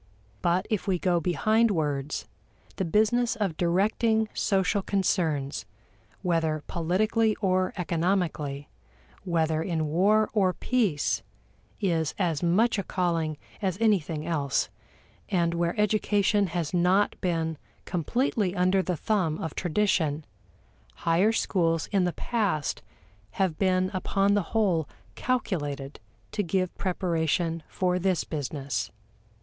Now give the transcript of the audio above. But if we go behind words, the business of directing social concerns, whether politically or economically, whether in war or peace, is as much a calling as anything else; and where education has not been completely under the thumb of tradition, higher schools in the past have been upon the whole calculated to give preparation for this business.